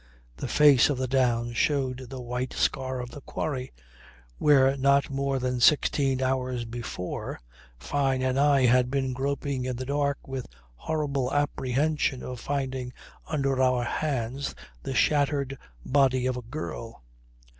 The face of the down showed the white scar of the quarry where not more than sixteen hours before Fyne and I had been groping in the dark with horrible apprehension of finding under our hands the shattered body of a girl.